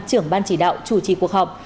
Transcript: trưởng ban chỉ đạo chủ trì cuộc họp